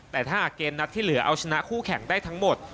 แต่ถ้าหากเกมนัดที่เหลือเอาชนะคู่แข่งได้ทั้งหมด